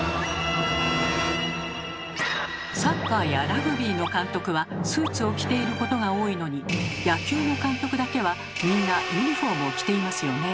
サッカーやラグビーの監督はスーツを着ていることが多いのに野球の監督だけはみんなユニフォームを着ていますよね。